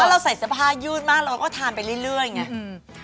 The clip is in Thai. ถ้าเราใส่สภาพยืดมากเราก็ทานไปเรื่อยอย่างนี้